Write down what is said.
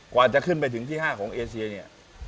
กว่าจะขึ้นไปถึงที่๕ของเอเซียเนี่ย